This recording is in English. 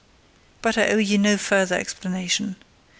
But I owe you no further explanation.